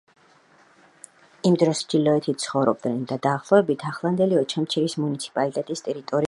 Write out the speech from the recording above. იმ დროს აბაზგები აფსილების ჩრდილოეთით ცხოვრობდნენ და დაახლოებით ახლანდელი ოჩამჩირის მუნიციპალიტეტის ტერიტორია ეკავათ.